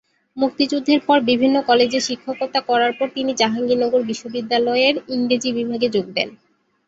মুক্তিযুদ্ধের পর বিভিন্ন কলেজে শিক্ষকতা করার পর তিনি জাহাঙ্গীরনগর বিশ্ববিদ্যালয়ের ইংরেজি বিভাগে যোগ দেন।